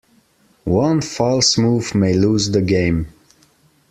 One false move may lose the game.